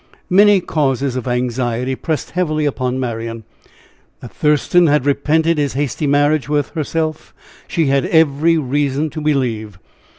Many causes of anxiety pressed heavily upon Marian. That Thurston had repented his hasty marriage with herself she had every reason to believe.